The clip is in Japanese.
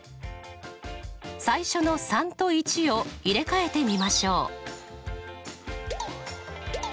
最初の３と１を入れ替えてみましょう。